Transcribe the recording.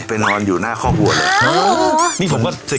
ไปนอนอยู่หน้าครอบวัวเลยนี่ผมก็๑๙ไง